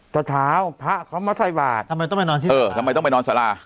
เช้าพระเขามาใส่บาททำไมต้องไปนอนที่เออทำไมต้องไปนอนสารา